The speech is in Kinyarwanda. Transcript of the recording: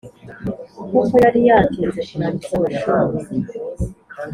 kuko yari yatinze kurangiza amashuri.